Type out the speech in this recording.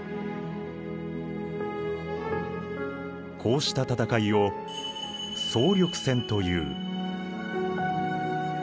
こうした戦いを総力戦という。